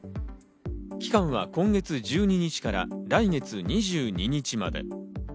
期間は今月１２日から来月２２日まで。